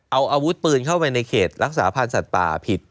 เอาอาวุธปืนเข้าไปในเขตรักษาพันธ์สัตว์ป่าผิด